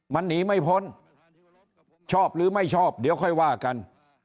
มันหนีไม่พ้นชอบหรือไม่ชอบเดี๋ยวค่อยว่ากัน